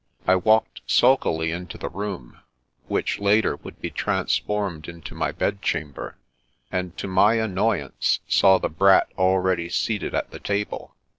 I walked sulkily into the room, which later would be transformed into my bedchamber, and to my annoyance saw the Brat already seated at the table.